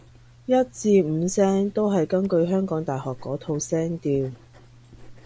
一至五聲都係根據香港大學嗰套聲調